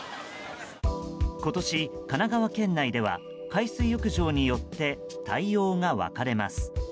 今年、神奈川県内では海水浴場によって対応が分かれます。